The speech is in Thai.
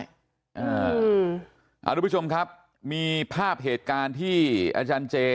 อย่างรู้ประชุมครับมีภาพเหตุการณ์ที่อาจารย์เจเนี่ย